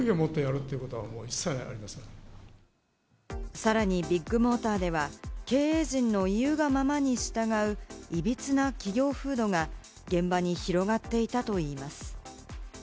さらにビッグモーターでは、経営陣の言うがままに従う、いびつな企業風土が現場に広がっていたといいます。